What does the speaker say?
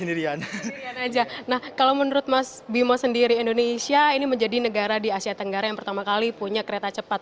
sendirian aja nah kalau menurut mas bimo sendiri indonesia ini menjadi negara di asia tenggara yang pertama kali punya kereta cepat